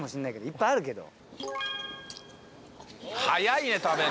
いっぱいあるけど。